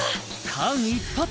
間一髪！